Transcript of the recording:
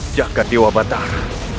jaga dewa batara